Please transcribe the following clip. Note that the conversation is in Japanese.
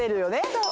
そう。